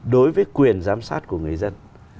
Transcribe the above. đối với quyền giám sát của người dân